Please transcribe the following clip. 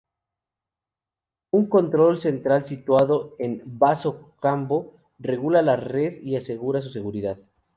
Un control central situado en Basso-Cambo regula la red y asegura su seguridad.